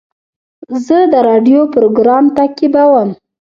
زه د راډیو پروګرام تعقیبوم.